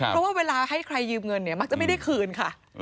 เพราะว่าเวลาให้ใครยืมเงินเนี่ยมักจะไม่ได้คืนค่ะ